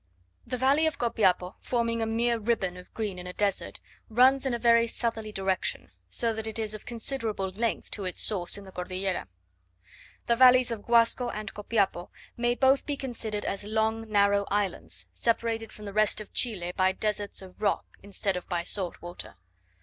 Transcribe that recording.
The valley of Copiapo, forming a mere ribbon of green in a desert, runs in a very southerly direction; so that it is of considerable length to its source in the Cordillera. The valleys of Guasco and Copiapo may both be considered as long narrow islands, separated from the rest of Chile by deserts of rock instead of by salt water.